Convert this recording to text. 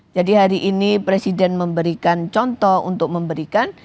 jadi hari ini presiden memberikan contoh untuk memberikan